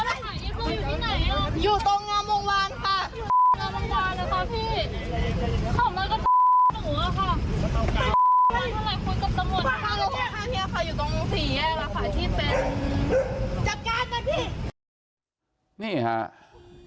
มันมาทำร้าย